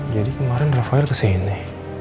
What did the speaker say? jadi kemarin rafael kesini